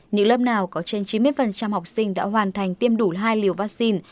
những lớp nào có trên chín mươi học sinh đã hoàn thành tiêm đủ hai liều vaccine